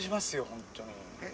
本当に。